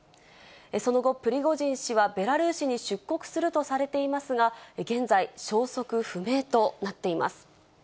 その後、プリゴジン氏はベラルーシに出国するとされていますが、現在、消息不明となっています。